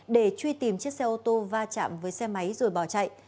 để truy tìm chiếc xe ô tô va chạm với xe máy rồi bỏ chạy